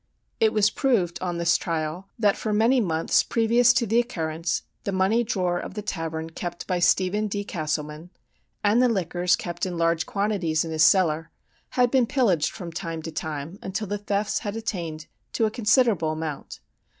"It was proved, on this trial, that for many months previous to the occurrence the money drawer of the tavern kept by Stephen D. Castleman, and the liquors kept in large quantities in his cellar, had been pillaged from time to time, until the thefts had attained to a considerable amount.